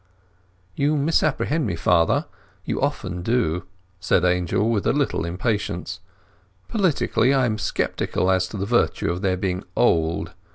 "You misapprehend me, father; you often do," said Angel with a little impatience. "Politically I am sceptical as to the virtue of their being old.